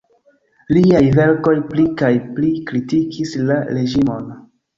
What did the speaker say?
Liaj verkoj pli kaj pli kritikis la reĝimon.